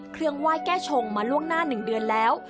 เครื่องว่ายแก้ชงมาล่วงหน้าหนึ่งเดือนแล้ว